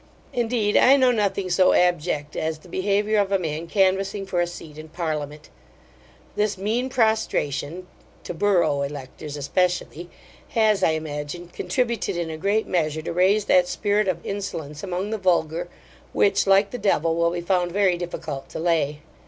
Indeed, I know nothing so abject as the behaviour of a man canvassing for a seat in parliament This mean prostration (to borough electors, especially) has, I imagine, contributed in a great measure to raise that spirit of insolence among the vulgar; which, like the devil, will be found very difficult to lay.